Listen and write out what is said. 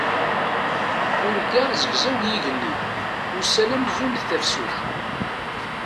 Urgaɣ zegzaw yigenni, ussan amzun d tafsut.